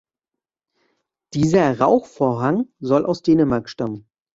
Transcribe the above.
Dieser Rauchvorhang soll aus Dänemark stammen.